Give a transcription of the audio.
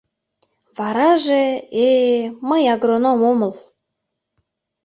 Вараже... э-э, мый агроном омыл...